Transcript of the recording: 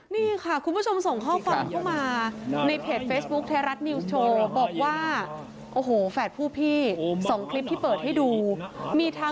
มีคลิปของแฝดผู้พี่เพิ่มเติมค่ะ